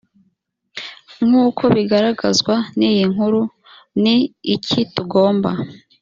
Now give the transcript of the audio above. nk’uko bigaragazwa n’iyi nkuru ni iki tugomba